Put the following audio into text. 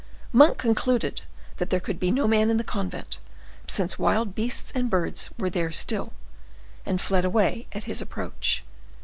Monk concluded that there could be no man in the convent, since wild beasts and birds were there still, and fled away at his approach.